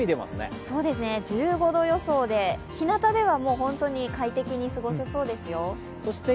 １５度予想で、ひなたでは快適に過ごせそうですよ。